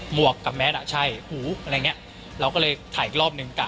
วกกับแมสอ่ะใช่หูอะไรอย่างเงี้ยเราก็เลยถ่ายอีกรอบหนึ่งกะ